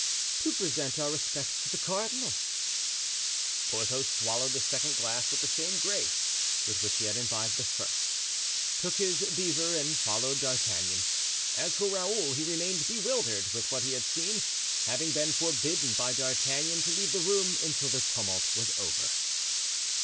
"To present our respects to the cardinal." Porthos swallowed the second glass with the same grace with which he had imbibed the first, took his beaver and followed D'Artagnan. As for Raoul, he remained bewildered with what he had seen, having been forbidden by D'Artagnan to leave the room until the tumult was over.